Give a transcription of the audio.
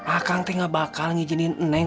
akang tidak akan mengizinkan neng